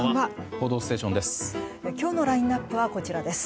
「報道ステーション」です。